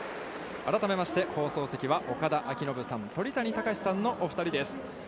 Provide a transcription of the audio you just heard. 改めまして放送席は岡田彰布さん、鳥谷敬さんのお二人です。